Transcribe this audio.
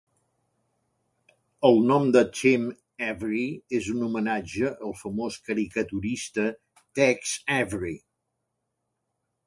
El nom de "Tim Avery" és un homenatge al famós caricaturista Tex Avery.